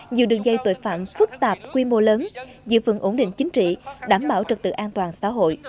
nhiều đường dây tội phạm phức tạp quy mô lớn giữ vững ổn định chính trị đảm bảo trật tự an toàn xã hội